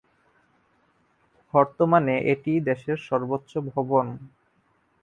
বর্তমানে এটিই দেশের সর্বোচ্চ ভবন।